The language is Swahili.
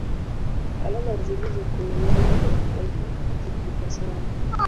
alama zilizo kwenye nembo ya taifa hazikukosewa